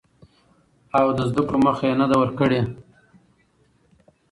او د زده کړو مخه يې نه ده ورکړې.